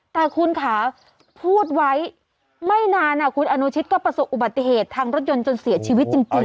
แต่คุณค่ะพูดไว้ไม่นานคุณอนุชิตก็ประสบอุบัติเหตุทางรถยนต์จนเสียชีวิตจริง